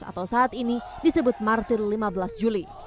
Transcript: atau saat ini disebut martir lima belas juli